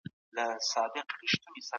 ایا نوي کروندګر شین ممیز پروسس کوي؟